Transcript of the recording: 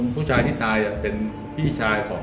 ผู้ชายที่ตายเป็นพี่ชายของ